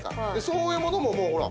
そういうものももうほら。